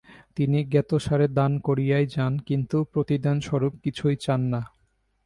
তিনি জ্ঞাতসারে দান করিয়াই যান, কিন্তু প্রতিদানস্বরূপ কিছুই চান না।